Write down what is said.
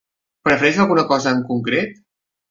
Prefereix alguna cosa en concret?